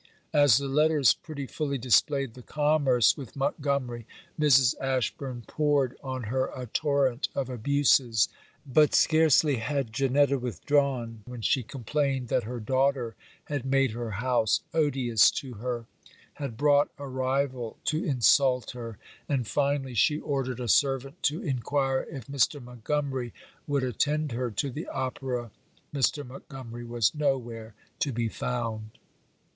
As the letters pretty fully displayed the commerce with Montgomery, Mrs. Ashburn poured on her a torrent of abuses; but scarcely had Janetta withdrawn when she complained that her daughter had made her house odious to her, had brought a rival to insult her; and finally she ordered a servant to enquire if Mr. Montgomery would attend her to the opera. Mr. Montgomery was no where to be found.